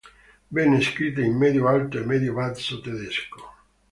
Venne scritta in medio alto e medio basso tedesco.